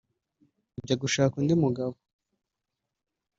ajya gushaka undi mugabo